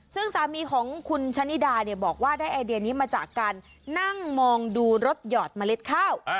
ซึ่งสามีของคุณชะนิดาเนี่ยบอกว่าได้ไอเดียนี้มาจากการนั่งมองดูรถหยอดเมล็ดข้าว